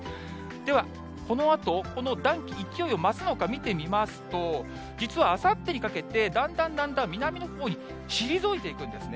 ではこのあと、この暖気、勢いを増すのか見てみますと、実はあさってにかけて、だんだんだんだん南のほうに退いていくんですね。